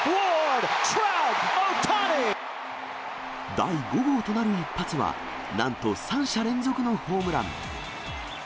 第５号となる一発は、なんと３者連続のホームラン。